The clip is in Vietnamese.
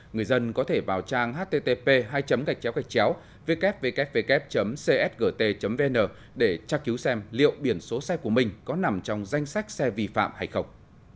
người dân có thể vào trang http www csgt vn để tra cứu xem liệu biển số xe của mình có nằm trong danh sách xe vi phạm hay không